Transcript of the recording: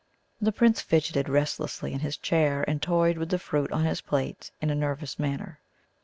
The Prince fidgeted restlessly in his chair, and toyed with the fruit on his plate in a nervous manner.